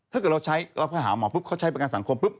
ถ้าเกิดเราใช้เราไปหาหมอปุ๊บเขาใช้ประกันสังคมปุ๊